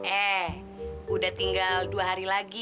eh udah tinggal dua hari lagi